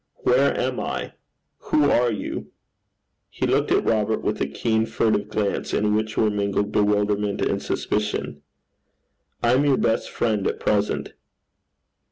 'Where am I? Who are you?' He looked at Robert with a keen, furtive glance, in which were mingled bewilderment and suspicion. 'I am your best friend at present.'